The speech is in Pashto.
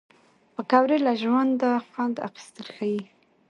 پکورې له ژونده خوند اخیستل ښيي